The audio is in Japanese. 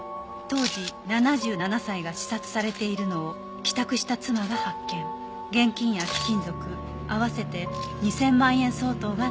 当時７７歳が刺殺されているのを帰宅した妻が発見」「現金や貴金属合わせて２０００万円相当が盗まれていた」